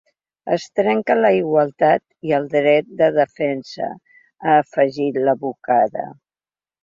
Es trenca la igualtat i el dret de defensa, ha afegit l’advocada.